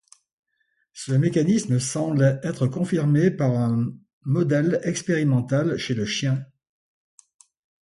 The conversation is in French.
Ce mécanisme semble être confirmé par un modèle expérimental chez le chien.